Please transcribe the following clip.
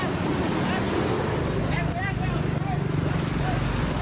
แมทแมทแมทแมทแมทแมท